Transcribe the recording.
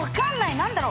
何だろう？